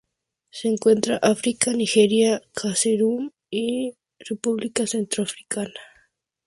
Se encuentran África: Nigeria, Camerún y República Centroafricana.